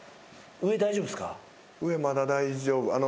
上まだ大丈夫。